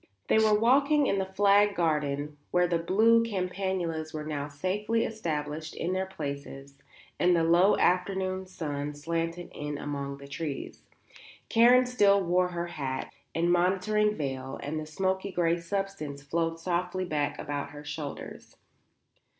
They were walking in the flagged garden where the blue campanulas were now safely established in their places and the low afternoon sun slanted in among the trees. Karen still wore her hat and motoring veil and the smoky grey substance flowed softly back about her shoulders.